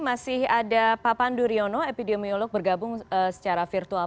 masih ada pak pandu riono epidemiolog bergabung secara virtual